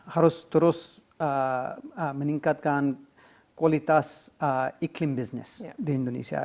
harus terus meningkatkan kualitas iklim bisnis di indonesia